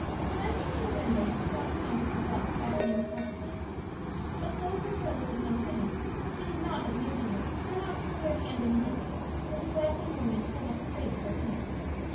Glancing from the window, she saw him out on the bluff back of the cottage; but though her toilet was now finished, she did not, as usual, run out to put her hand in his, and with a glad good morning hold up her face for a kiss.